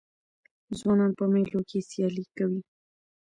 ځوانان په مېلو کښي سیالۍ کوي.